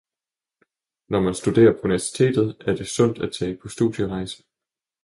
Når man studerer på universitetet er det sundt at tage på studierejse.